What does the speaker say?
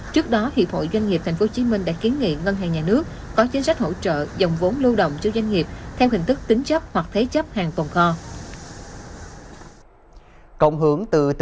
trước đó hiệp hội doanh nghiệp tp hcm đã kiến nghị ngân hàng nhà nước có chính sách hỗ trợ dòng vốn lưu động cho doanh nghiệp theo hình thức tính chấp hoặc thế chấp hàng tồn kho